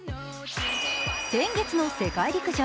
先月の世界陸上。